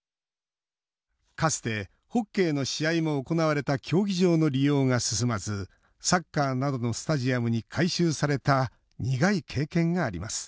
かつてホッケーの試合も行われた競技場の利用が進まずサッカーなどのスタジアムに改修された苦い経験があります。